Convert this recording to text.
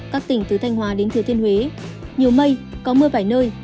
các tỉnh từ thanh hòa đến thừa thiên huế nhiều mây có mưa vài nơi